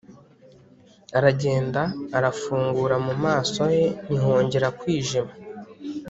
aragenda arafungura mu maso he ntihongera kwijima